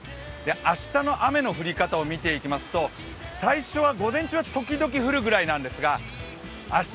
明日の雨の降り方を見ていきますと、最初は午前中は時々降るくらいなんですが明日